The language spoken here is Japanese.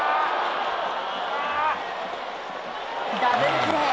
ダブルプレー。